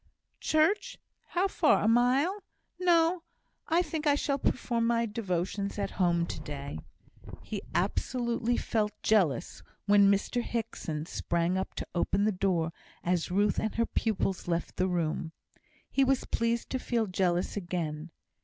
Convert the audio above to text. "Church? how far a mile? No; I think I shall perform my devotions at home to day." He absolutely felt jealous when Mr Hickson sprang up to open the door as Ruth and her pupils left the room. He was pleased to feel jealous again.